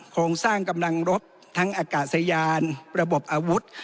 โครงสร้างกำลังรบทั้งอากาศยานระบบอาวุธ